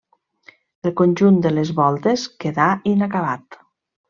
El conjunt de les Voltes quedà inacabat.